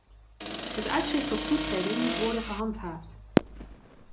Het uitzicht op toetreding moet worden gehandhaafd.